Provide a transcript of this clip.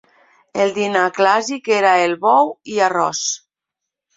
El dinar clàssic era el bou i arròs.